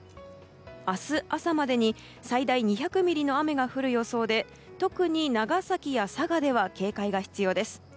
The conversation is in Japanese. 明日朝までに最大２００ミリの雨が降る予想で特に長崎や佐賀では警戒が必要です。